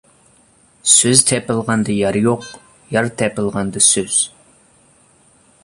سۆز تېپىلغاندا يار يوق، يار تېپىلغاندا سۆز.